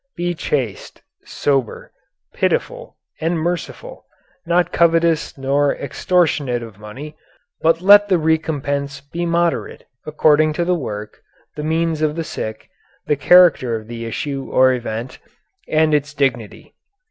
Be chaste, sober, pitiful, and merciful; not covetous nor extortionate of money; but let the recompense be moderate, according to the work, the means of the sick, the character of the issue or event, and its dignity."